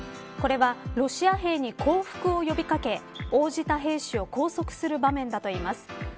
これはロシア兵に降伏を呼び掛け応じた兵士を拘束する場面だといいます。